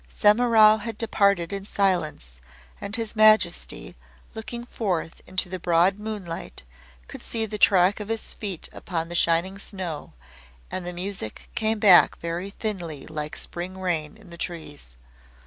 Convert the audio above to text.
Semimaru had departed in silence, and His Majesty, looking forth into the broad moonlight, could see the track of his feet upon the shining snow, and the music came back very thinly like spring rain in the trees.